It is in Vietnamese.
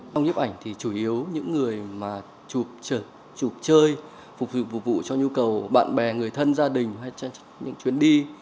trong nhếp ảnh thì chủ yếu những người mà chụp chơi phục vụ phục vụ cho nhu cầu bạn bè người thân gia đình hay những chuyến đi